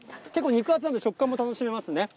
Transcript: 結構肉厚なんで、食感も楽しめますね。